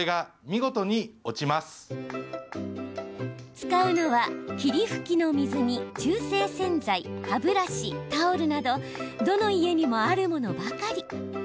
使うのは、霧吹きの水に中性洗剤、歯ブラシ、タオルなどどの家にもあるものばかり。